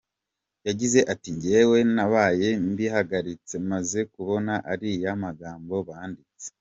Yagize ati “Njyewe nabaye mbihagaritse, maze kubona ariya magambo banditse.